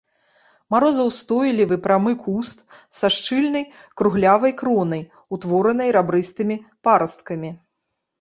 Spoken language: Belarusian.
Марозаўстойлівы прамы куст са шчыльнай круглявай кронай, утворанай рабрыстымі парасткамі.